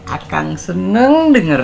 akang seneng dengernya